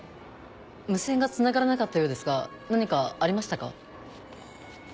無線がつながらなかったようですが何かありましたか？